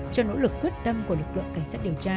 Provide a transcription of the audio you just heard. cho nỗ lực quyết tâm của lực lượng cảnh sát điều tra